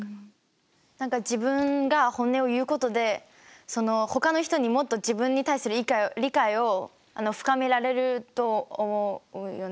何か自分が本音を言うことでそのほかの人にもっと自分に対する理解を深められると思うよね。